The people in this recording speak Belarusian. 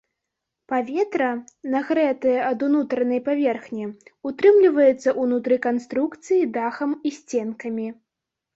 Паветра, нагрэтае ад унутранай паверхні, утрымліваецца ўнутры канструкцыі дахам і сценкамі.